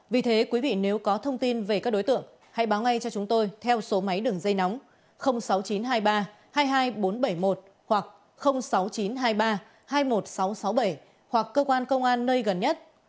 vì thế quý vị nếu có thông tin về các đối tượng hãy báo ngay cho chúng tôi theo số máy đường dây nóng sáu mươi chín hai mươi ba hai mươi hai nghìn bốn trăm bảy mươi một hoặc sáu mươi chín hai mươi ba hai mươi một nghìn sáu trăm sáu mươi bảy hoặc cơ quan công an nơi gần nhất